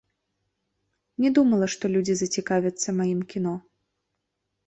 Не думала, што людзі зацікавяцца маім кіно.